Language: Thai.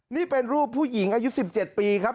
นี่เป็นรูปผู้หญิงอายุ๑๗ปีครับ